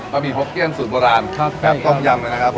ความโดดเด็ดและไม่เหมือนใครค่ะ